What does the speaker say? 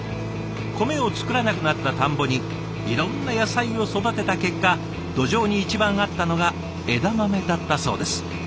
米を作らなくなった田んぼにいろんな野菜を育てた結果土壌に一番合ったのが枝豆だったそうです。